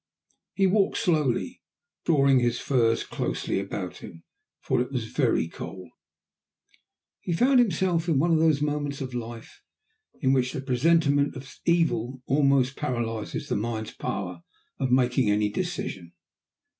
He walked slowly, drawing his furs closely about him, for it was very cold. He found himself in one of those moments of life in which the presentiment of evil almost paralyses the mind's power of making any decision.